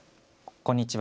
こんにちは。